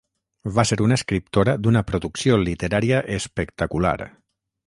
Va ser una escriptora d'una producció literària espectacular.